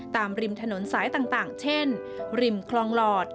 ริมถนนสายต่างเช่นริมคลองหลอด